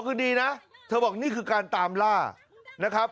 คือดีนะเธอบอกนี่คือการตามล่านะครับ